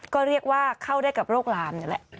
ก็เรียกว่าเข้าได้กับโรคลามนี่แหละ